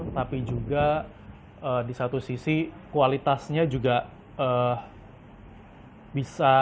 tapi juga di satu sisi kualitasnya juga bisa